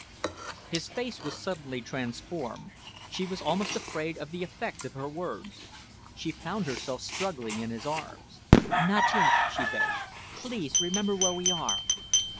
His face was suddenly transformed. She was almost afraid of the effect of her words. She found herself struggling in his arms. "Not yet," she begged. "Please remember where we are."